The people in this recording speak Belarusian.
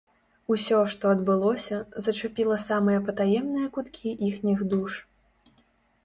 Усё, што адбылося, зачапіла самыя патаемныя куткі іхніх душ.